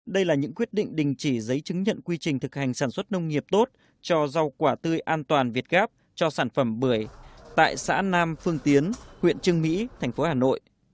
đây là những quyết định đình chỉ giấy chứng nhận quy trình thực hành sản xuất nông nghiệp tốt cho rau quả tươi an toàn việt gáp cho sản phẩm bưởi tại xã nam phương tiến huyện trưng mỹ thành phố hà nội